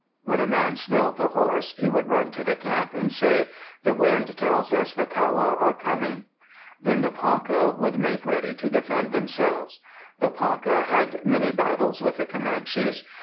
When a man smelled the horses, he would run to the camp and say, "The wind tells us the Kawa are coming." Then the Ponca would make ready to defend themselves. The Ponca had many battles with the Comanches.